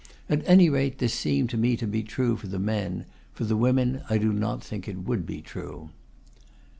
At any rate this seemed to me to be true for the men; for the women I do not think it would be true.